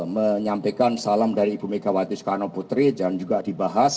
menyampaikan salam dari ibu megawati soekarno putri dan juga dibahas